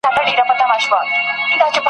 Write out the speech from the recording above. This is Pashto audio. دربارونه به تاوده وي د پیرانو !.